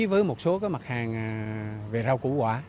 với một số mặt hàng về rau củ quả